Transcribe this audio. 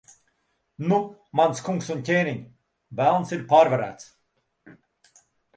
Nu, mans kungs un ķēniņ, Velns ir pārvarēts.